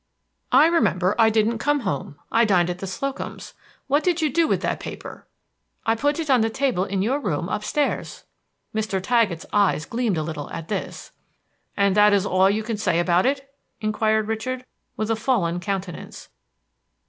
"I remember, I didn't come home. I dined at the Slocums'. What did you do with that paper?" "I put it on the table in your room up stairs." Mr. Taggett's eyes gleamed a little at this. "And that is all you can say about it?" inquired Richard, with a fallen countenance.